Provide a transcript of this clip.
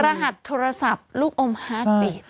รหัสโทรศัพท์ลูกอมฮาร์ดเบส